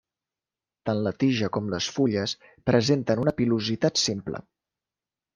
Tant la tija com les fulles presenten una pilositat simple.